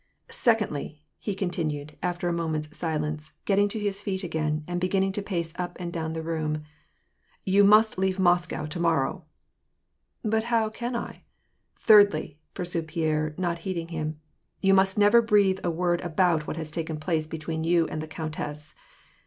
" Secondly," he continued, after a moment's silence, getting to his feet again, and beginning to pace up and down the room, " you must leave Moscow to morrow." " But how can I "— "Thirdly," pursued Pierre, not heeding him, "you must never breathe a word about what has taken place between you and the countess.